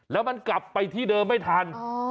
แล้วมันกลับไปที่เดิมไม่ทัน